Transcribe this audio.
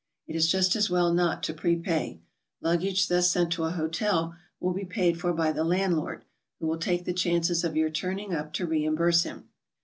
It is just as well not to prepay. Luggage thus sent to a hotel will be paid for by the landlord, who will take the chances of your turning up to reimburse him.